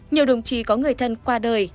nhiều đồng chí có người thân qua đời